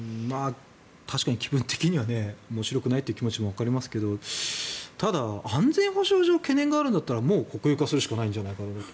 確かに気分的には面白くないという気持ちもわかりますけどただ、安全保障上の懸念があるんだったらもう国有化するんじゃないかと。